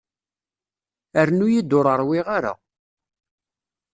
Rnu-yi-d ur ṛwiɣ ara.